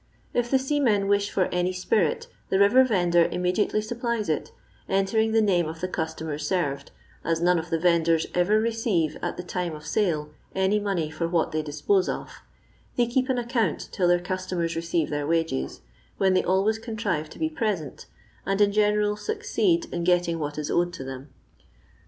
If the seamen wish for any spirit the river vendor immediately supplies it, entering the name of the customers served, as none of the vendors ever receive, at the time of sale, any money for what they dispose of; they keep an account till their customers receive their wages, when they always contrive to be present, and in general succeed in getting what is owing to them.